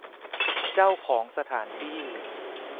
เจ้าของสถานที่